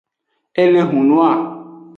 E le hunua.